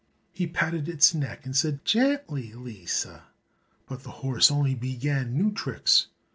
He patted its neck, and said, "Gently, Lisa," but the horse only began new tricks.